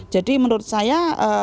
jadi menurut saya